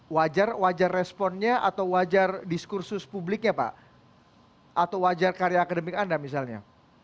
wajar wajar responnya atau wajar diskursus publiknya pak atau wajar karya akademik anda misalnya